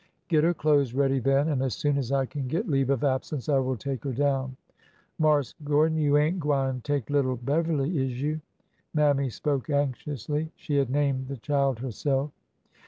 '' Get her clothes ready, then, and as soon as I can get leave of absence I will take her down." Marse Gordon, you ain't gwine take little Beverly, is you ?" Mammy spoke anxiously. She had named the child herself.